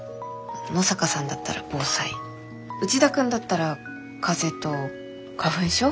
野坂さんだったら防災内田君だったら風と花粉症？